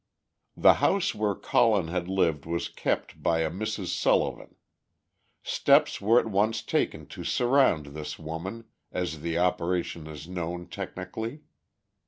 The house where Collins had lived was kept by a Mrs. Sullivan. Steps were at once taken to "surround" this woman, as the operation is known technically.